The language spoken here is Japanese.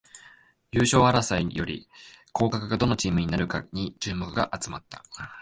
優勝争いより降格がどのチームになるかに注目が集まった